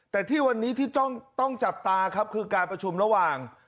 แต่ที่วันนี้ที่ต้องจับตาครับคือการประชุมระหว่าง